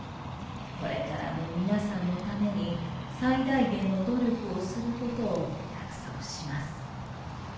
これからも皆さんのために最大限の努力をすることを約束します。